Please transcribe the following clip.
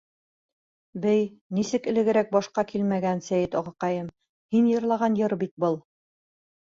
Бэй, нисек элегерәк башҡа килмәгән, Сәйет ағаҡайым, һин йырлаған йыр бит был!